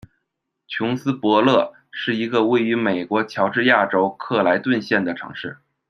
琼斯伯勒是一个位于美国乔治亚州克莱顿县的城市。